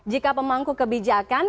jika pemangku kebijakan